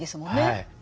はい。